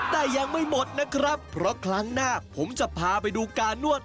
แต่ยังไม่หมดนะครับเพราะครั้งหน้าผมจะพาไปดูการนวด